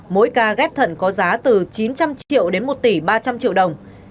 mỗi ca ghép thận có giá từ chín trăm linh triệu đến một tỷ ba trăm linh triệu đồng